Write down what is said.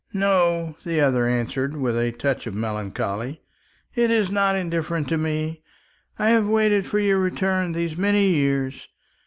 "No," the other answered, with a touch of melancholy; "it is not indifferent to me. I have waited for your return these many years.